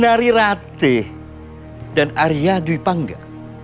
nari rati dan arya dwi pangga